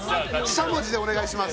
しゃもじでお願いします。